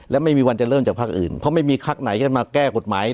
เพราะไม่มีครักไหนจะมาแก้กฎหมาย